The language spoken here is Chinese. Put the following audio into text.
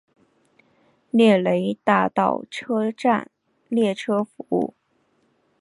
涅雷大道车站列车服务。